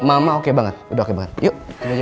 mama oke banget udah oke banget yuk